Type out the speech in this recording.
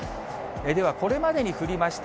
では、これまでに降りました